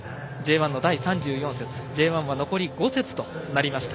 第３４節、Ｊ１は残り５節となりました。